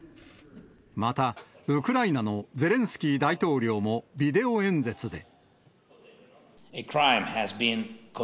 また、ウクライナのゼレンスキー大統領もビデオ演説で。